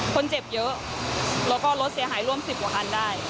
คนเจ็บเยอะและรถเสียหายร่วม๑๐อันได้